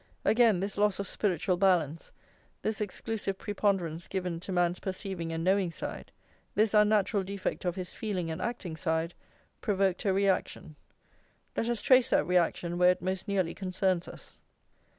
Again this loss of spiritual balance, this exclusive preponderance given to man's perceiving and knowing side, this unnatural defect of his feeling and acting side, provoked a reaction. Let us trace that reaction where it most nearly concerns us.